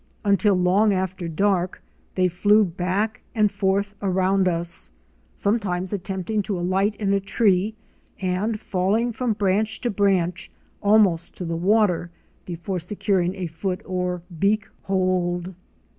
Until long after dark they flew back and forth around us, sometimes attempting to alight in a tree and falling from branch to branch almost to the water, before securing a foot or beak hold.